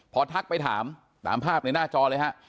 พอทักไปถามตามภาพในหน้าจอเลยฮะ